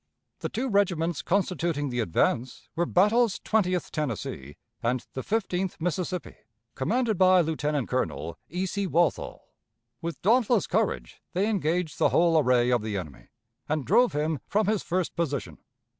The two regiments constituting the advance were Battle's Twentieth Tennessee and the Fifteenth Mississippi, commanded by Lieutenant Colonel E. C. Walthall. With dauntless courage they engaged the whole array of the enemy, and drove him from his first position.